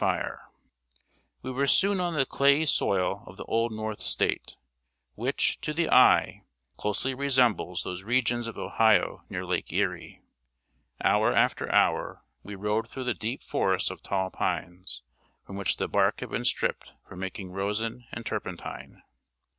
We were soon on the clayey soil of the Old North State, which, to the eye, closely resembles those regions of Ohio near Lake Erie. Hour after hour, we rode through the deep forests of tall pines, from which the bark had been stripped for making rosin and turpentine.